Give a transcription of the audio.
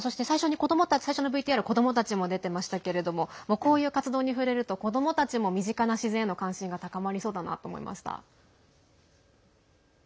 最初のＶＴＲ子どもたちも出ていましたけれどこういう活動に触れると子どもたちも身近な自然への関心が高まりそうだなと思いました。